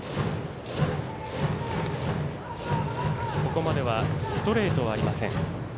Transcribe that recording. ここまではストレートありません。